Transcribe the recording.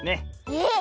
えっ！